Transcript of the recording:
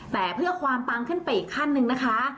แต่เพื่อความปังขึ้นไปอีกขั้นหนึ่งนะคะ